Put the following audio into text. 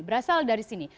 berasal dari sini